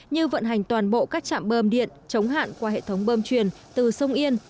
như vận hành toàn bộ các trạm bơm điện chống hạn qua hệ thống bơm truyền từ sông yên